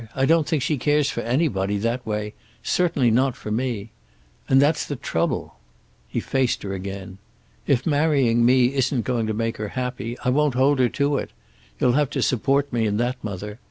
I don't think she cares for anybody, that way, certainly not for me. And that's the trouble." He faced her again. "If marrying me isn't going to make her happy, I won't hold her to it. You'll have to support me in that, mother.